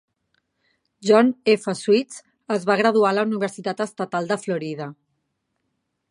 John F. Sweets es va graduar a la Universitat Estatal de Florida.